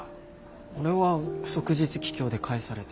俺は即日帰郷で帰されて。